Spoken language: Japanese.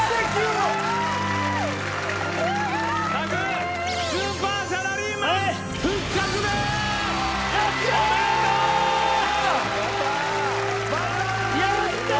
拓、スーパーサラリーマン復やったー。